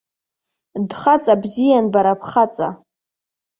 Дхаҵа бзиан бара бхаҵа.